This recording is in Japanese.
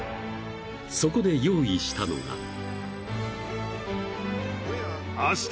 ［そこで用意したのが］